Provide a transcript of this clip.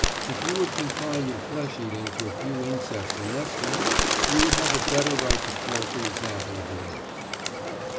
If you would confine your flesh eating to a few insects and nestlings, you would have a better right to quote the example of the apes.